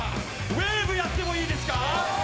ウェーブやってもいいですか。